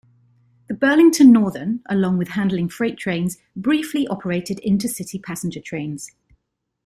The Burlington Northern, along with handling freight trains, briefly operated inter-city passenger trains.